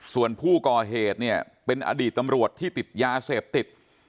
ส่วนผู้ก่อเหตุเนี่ยเป็นอดีตตำรวจที่ติดยาเสพติด